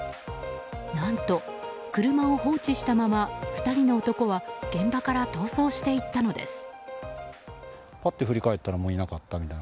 何と車を放置したまま２人の男は現場から逃走していったのです。